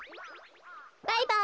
バイバイ。